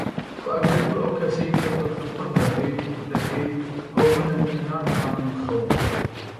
و ئەگەر تۆ ئەو کەسەیت کە پرخەپرخ دەکەیت، ئەوە منم کە ناتوانم بخەوم.